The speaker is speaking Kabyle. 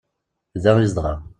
Da i zedɣeɣ.